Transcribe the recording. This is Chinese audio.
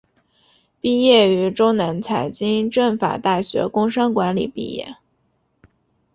毕业于中南财经政法大学工商管理专业。